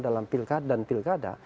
dalam pilkada dan pilkada